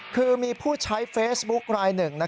คือมีผู้ใช้เฟซบุ๊คลายหนึ่ง